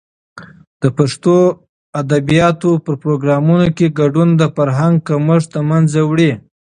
د پښتو ادبیاتو په پروګرامونو کې ګډون، د فرهنګ کمښت د منځه وړي.